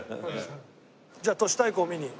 じゃあ都市対抗を見に。